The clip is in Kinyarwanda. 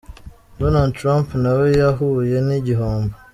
Donald Trump na we yahuye n’igihombo.